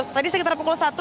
tadi sekitar pukul satu